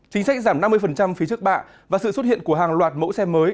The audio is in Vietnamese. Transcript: chính sách giảm năm mươi phí trước bạ và sự xuất hiện của hàng loạt mẫu xe mới